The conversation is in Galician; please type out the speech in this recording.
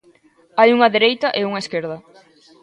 Hai unha dereita e unha esquerda.